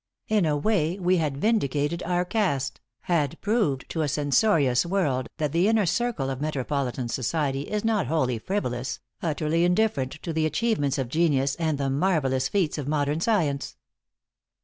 In a way, we had vindicated our caste, had proved to a censorious world that the inner circle of metropolitan society is not wholly frivolous, utterly indifferent to the achievements of genius and the marvelous feats of modern science.